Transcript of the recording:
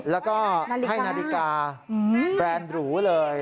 แล้วก็ให้นาฬิกาแบรนด์หรูเลย